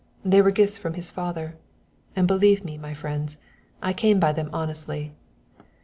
They were gifts from his father. And believe me, my friends, I came by them honestly."